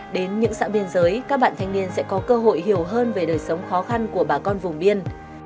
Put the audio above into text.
đến những xã biên giới các bạn thanh niên sẽ có cơ hội hiểu hơn về đời sống khó khăn của bà con vùng biên